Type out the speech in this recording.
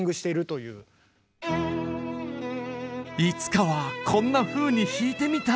いつかはこんなふうに弾いてみたい！